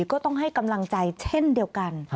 ก็ต้องให้กำลังใจเช่นเดียวกัน